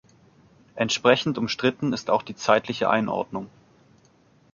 Entsprechend umstritten ist auch die zeitliche Einordnung.